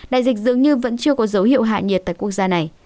đại dịch dường như vẫn chưa có dấu hiệu hạ nhiệt tại quốc gia này